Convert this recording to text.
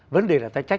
vấn đề là ta trách